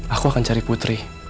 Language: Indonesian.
aku akan cari putri